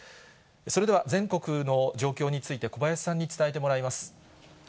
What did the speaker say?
それでは全国の状況について、小林さんに伝えてもらいます。